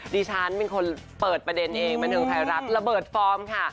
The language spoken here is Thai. ดีชันเป็นคนเปิดประเด็นเองเป็นถึงสายลักษณ์ระเบิดฟอร์มค่ะ